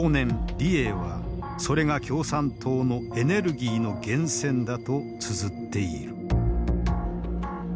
李鋭はそれが共産党のエネルギーの源泉だとつづっている。